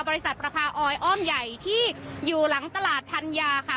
ประพาออยอ้อมใหญ่ที่อยู่หลังตลาดธัญญาค่ะ